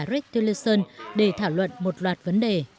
rick tillerson để thảo luận một loạt vấn đề